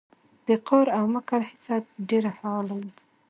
د قار او مکر حصه ډېره فعاله وي